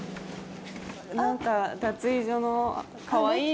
何か脱衣所のかわいいね。